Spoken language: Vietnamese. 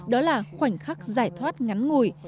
đó là khoảnh khắc giải thoát ngắn ngủi